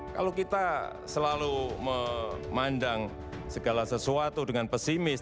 kalau kita selalu memandang segala sesuatu dengan pesimis